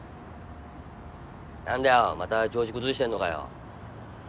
何だよまた調子崩してんのかよ。